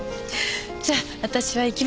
じゃあ私は行きますね。